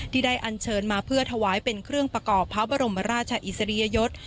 ได้อันเชิญมาเพื่อถวายเป็นเครื่องประกอบพระบรมราชอิสริยยศ